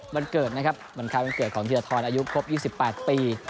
วันเกิดของธีรธอนอายุครบ๒๘ปี